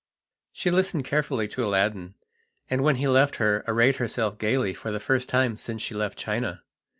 She listened carefully to Aladdin, and when he left her arrayed herself gaily for the first time since she left China.